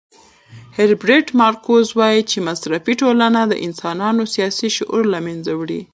هیربرټ مارکوز وایي چې مصرفي ټولنه د انسانانو سیاسي شعور له منځه وړي.